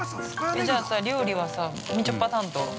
じゃあさ、料理はさみちょぱ担当？